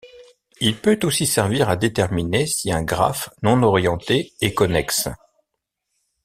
Il peut aussi servir à déterminer si un graphe non orienté est connexe.